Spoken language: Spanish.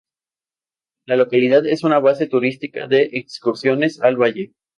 La localidad es una base turística de excursiones al valle.